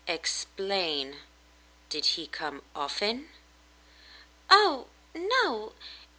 "Explain. Did he come often ?" "Oh, no.